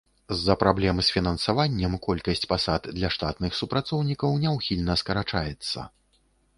З-за праблем з фінансаваннем колькасць пасад для штатных супрацоўнікаў няўхільна скарачаецца.